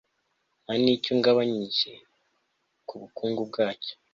nta n'icyo ngabanyije ku bukungu bwacyo